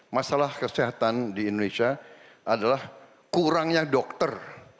masalah kesehatan di indonesia adalah kurangnya dokter